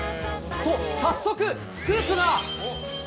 と、早速スクープが。